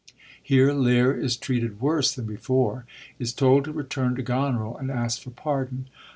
Here Lear is treated worse than before ; is told to return to Goneril and ask for pardon.